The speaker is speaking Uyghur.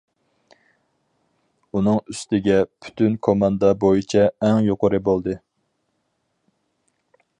ئۇنىڭ ئۈستىگە پۈتۈن كوماندا بويىچە ئەڭ يۇقىرى بولدى.